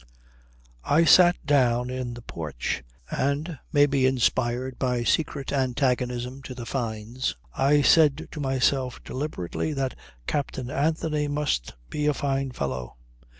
I sat down in the porch and, maybe inspired by secret antagonism to the Fynes, I said to myself deliberately that Captain Anthony must be a fine fellow.